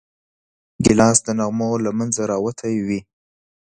ګیلاس د نغمو له منځه راوتی وي.